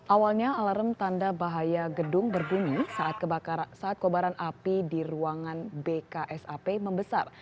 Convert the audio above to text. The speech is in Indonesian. awalnya alarm tanda bahaya gedung berbunyi saat kobaran api di ruangan bksap membesar